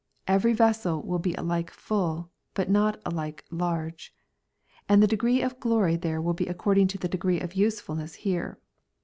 Every vessel will be alike full, but not alike large. And the de gree of glory there will be according to the degrees of usefulness here.''